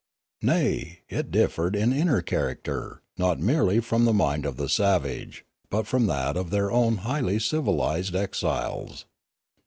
Nay, it differed in inner character, not merely from the mind of the savage, but from that of their own highly civilised exiles.